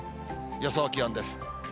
予想気温です。